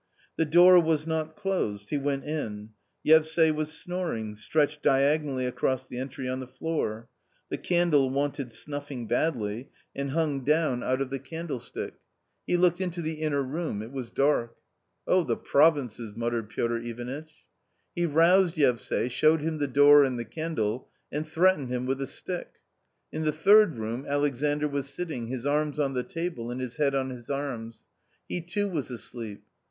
The door was not closed. He went in ; Yevsay was snor ing, stretched diagonally across the entry on the floor. The candle wanted snuffing badly and hung down out of the — i A COMMON STORY 163 candlestick. He looked into the inner room — it was dark. " Oh, the provinces !" muttered Piotr Ivanitch. He roused Yevsay, showed him the door and the candle, and threatened him with a stick. In the third room Alex andr was sitting, his arms on the table and his head on his arms ; he too was asleep.